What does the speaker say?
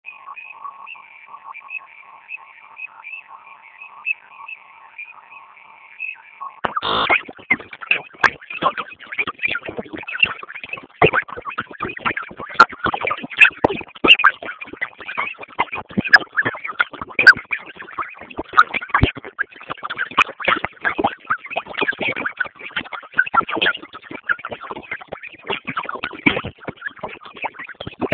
کمې ګټې نرخونو پانګه حداقل عواید لري.